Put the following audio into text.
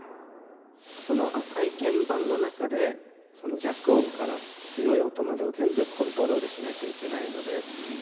その浅い鍵盤の中で弱音から強い音までを全部コントロールしなきゃいけないので。